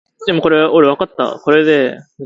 She was later scuttled by the British.